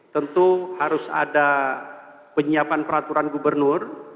tentu harus ada penyiapan peraturan gubernur